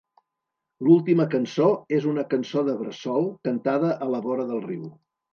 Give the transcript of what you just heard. L'última cançó és una cançó de bressol cantada a la vora del riu.